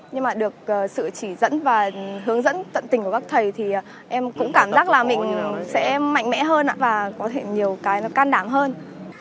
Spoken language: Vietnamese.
nhưng mà được sự chỉ dẫn và hướng dẫn tận tình của các thầy thì em cũng cảm giác là mình sẽ mạnh mẽ hơn và có thể nhiều cái nó can đáng hơn